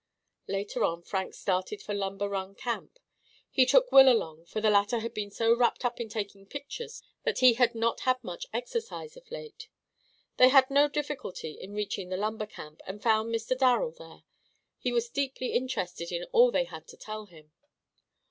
Later on Frank started for Lumber Run Camp. He took Will along, for the latter had been so wrapped up in taking pictures that he had not had much exercise of late. They had no difficulty in reaching the lumber camp, and found Mr. Darrel there. He was deeply interested in all they had to tell him.